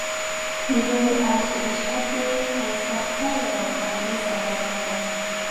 د دوی عيش عشرت ئي په سختۍ او تنګۍ سره بدل کړ